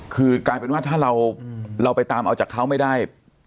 คือกลายเป็นว่าถ้าเราไปตามเอาจากเขาไม่ได้